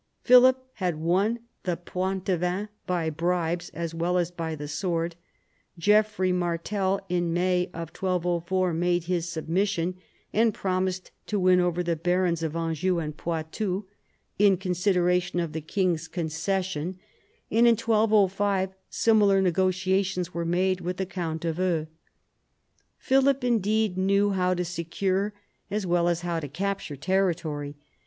Philip had won the Poitevins by bribes as well as by the sword. Geoffrey Martel in May 1204 made his submission, and promised to win over the barons of Anjou and Poitou in THE FALL OF THE ANGEVINS 81 in consideration of the king's concession ; and in 1 205 similar negotiations were made with the count of En. Philip indeed knew how to secure as well as how to capture territory.